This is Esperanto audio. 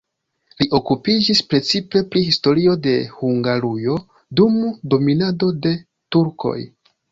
Li okupiĝis precipe pri historio de Hungarujo dum dominado de turkoj.